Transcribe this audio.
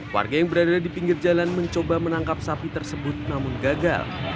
warga yang berada di pinggir jalan mencoba menangkap sapi tersebut namun gagal